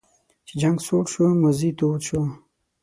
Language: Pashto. چې جنګ سوړ شو موذي تود شو.